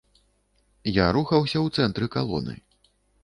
Я рухаўся ў цэнтры калоны.